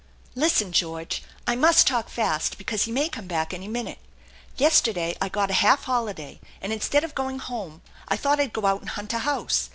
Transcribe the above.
" Listen, George. I must talk fast because he may come back any minute. Yesterday I got a half holiday, and in stead of going home I thought I'd go out and hunt a house.